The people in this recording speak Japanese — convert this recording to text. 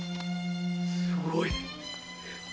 すごい！